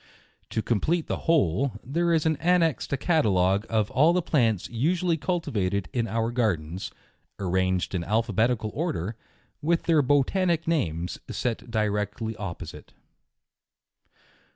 To complete the whole, there is annexed a catalogue oi all the plants usually cultivated in our Gardens, arranged in alphabetical order* with their botanic names set direct ly opposite.